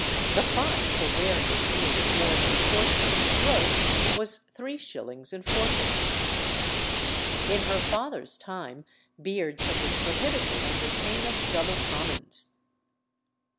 The fine for wearing a beard of more than a fortnight's growth was three shillings and fourpence. In her father's time beards had been prohibited under pain of double commons.